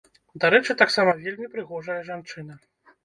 Дарэчы, таксама вельмі прыгожая жанчына.